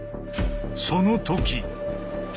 その時！